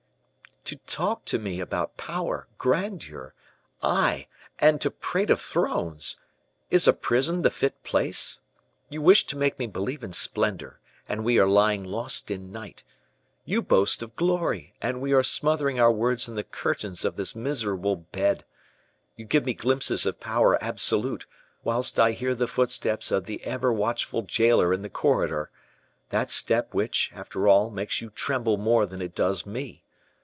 "To talk to me about power, grandeur, eye, and to prate of thrones! Is a prison the fit place? You wish to make me believe in splendor, and we are lying lost in night; you boast of glory, and we are smothering our words in the curtains of this miserable bed; you give me glimpses of power absolute whilst I hear the footsteps of the every watchful jailer in the corridor that step which, after all, makes you tremble more than it does me.